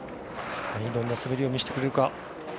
どのような滑りを見せてくれるか。